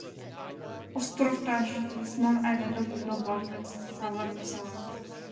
Ostrov Tash is a small island located on Bolshevik's southern shore.